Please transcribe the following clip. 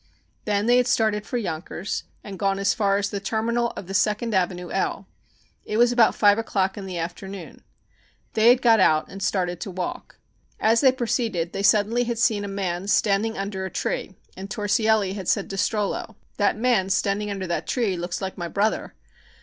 Then they had started for Yonkers and gone as far as the terminal of the Second Avenue El. It was about five o'clock in the afternoon. They had got out and started to walk. As they proceeded they suddenly had seen a man standing under a tree and Torsielli had said to Strollo: "That man standing under that tree looks like my brother."